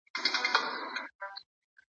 د اوسپنې کارول په کومو وسايلو کي کيدل؟